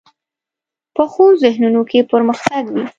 پخو ذهنونو کې پرمختګ وي